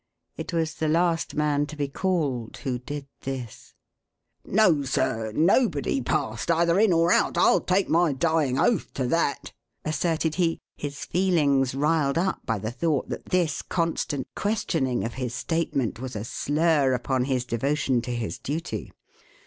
It was the last man to be called who did this. "No, sir, nobody passed, either in or out, I'll take my dying oath to that," asserted he, his feelings riled up by the thought that this constant questioning of his statement was a slur upon his devotion to his duty.